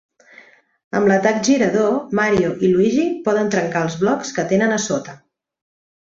Amb l'atac girador Mario i Luigi poden trencar els blocs que tenen a sota.